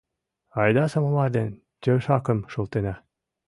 Айда самовар ден тӧшакым шылтена.